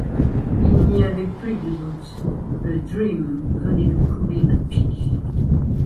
Il n’y avait plus de doute: le Dream venait de couler à pic!